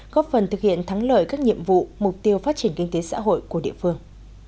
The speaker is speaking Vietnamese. góp phần thực hiện thắng lợi các nhiệm vụ mục tiêu phát triển kinh tế xã hội của địa phương